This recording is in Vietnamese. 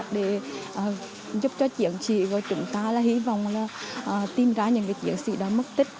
để giúp cho chiến sĩ của chúng ta là hy vọng là tìm ra những chiến sĩ đó mất tích